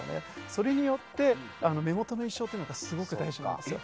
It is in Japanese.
それによって、目元の印象がすごく大事なんですよ。